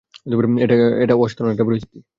এটা অসাধারণ একটা পরিস্থিতি।